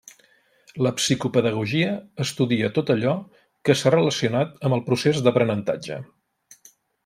La psicopedagogia estudia tot allò que s'ha relacionat amb el procés d'aprenentatge.